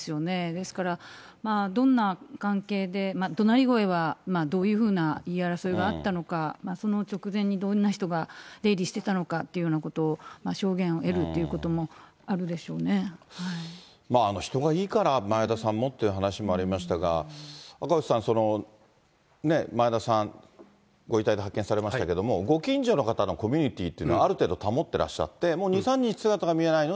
ですから、どんな関係で、どなり声はどういうふうな言い争いがあったのか、その直前にどんな人が出入りしてたのかということを証言を得ると人がいいから、前田さんもっていう話もありましたが、赤星さん、その前田さん、ご遺体で発見されましたけれども、ご近所の方のコミュニティーというのはある程度、保っ